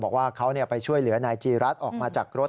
บอกว่าเขาไปช่วยเหลือนายจีรัฐออกมาจากรถ